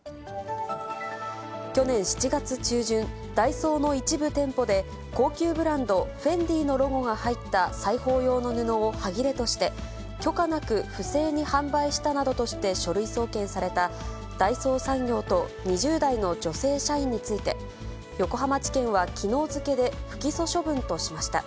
去年７月中旬、ＤＡＩＳＯの一部店舗で、高級ブランド、ＦＥＮＤＩのロゴが入った裁縫用の布をはぎれとして、許可なく不正に販売したなどとして書類送検された、大創産業と２０代の女性社員について、横浜地検はきのう付けで不起訴処分としました。